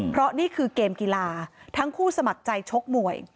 เพราะนี่คือเกมกีฬาทั้งคู่สมัครใจชกมวย